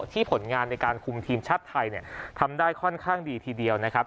ผลงานในการคุมทีมชาติไทยทำได้ค่อนข้างดีทีเดียวนะครับ